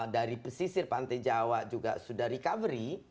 dari pesisir pantai jawa juga sudah recovery